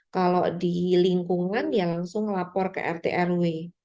kalau di lingkungan ya langsung lapor ke rt rw